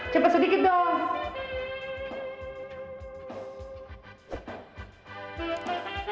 cepet sedikit dong